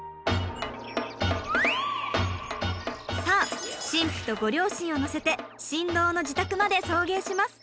さあ新婦とご両親を乗せて新郎の自宅まで送迎します。